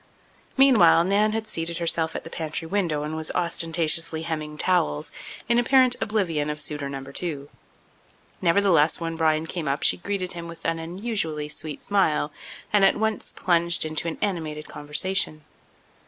Meanwhile, Nan had seated herself at the pantry window and was ostentatiously hemming towels in apparent oblivion of suitor No. 2. Nevertheless, when Bryan came up she greeted him with an unusually sweet smile and at once plunged into an animated conversation.